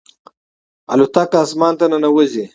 الوتکه اسمان ته ننوځي.